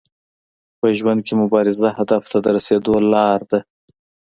په ژوند کي مبارزه هدف ته د رسیدو لار ده.